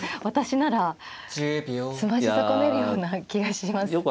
私なら詰まし損ねるような気がします。